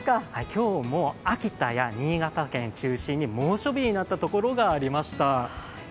今日も秋田や新潟県を中心に猛暑日になった所がありました。